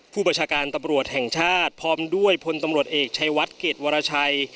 ผู้บัญชาการตำรวจแห่งชาติพร้อมด้วยพลตำรวจเอกชัยวัดเกรดวรชัย